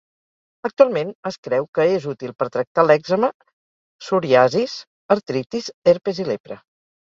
Actualment es creu que és útil per tractar l'èczema, psoriasis, artritis, herpes, i lepra.